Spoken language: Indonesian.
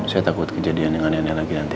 saya takut kejadian yang aneh aneh lagi nanti